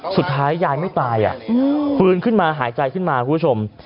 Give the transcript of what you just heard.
สุดท้ายยายไม่ตายฟื้นขึ้นมาหายใจขึ้นมาคุณผู้ชม